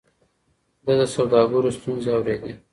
ده د سوداګرو ستونزې اورېدې.